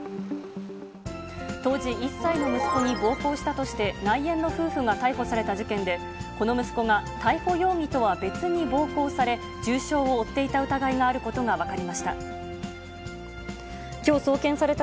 当時１歳の息子に暴行したとして、内縁の夫婦が逮捕された事件で、この息子が逮捕容疑とは別に暴行され、重傷を負っていた疑いがあることが分かりました。